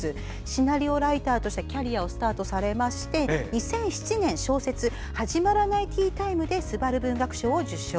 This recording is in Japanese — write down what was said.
シナリオライターとしてキャリアをスタートされまして２００７年に小説「はじまらないティータイム」ですばる文学賞を受賞。